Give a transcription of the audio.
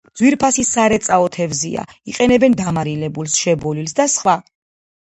ძვირფასი სარეწაო თევზია; იყენებენ დამარილებულს, შებოლილს და სხვა.